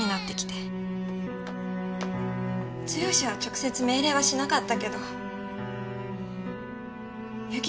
剛は直接命令はしなかったけど「由樹奈と最悪」